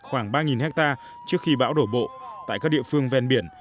khoảng ba hectare trước khi bão đổ bộ tại các địa phương ven biển